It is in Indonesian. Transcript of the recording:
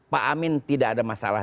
pak amin tidak ada masalah